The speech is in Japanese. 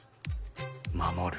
守る。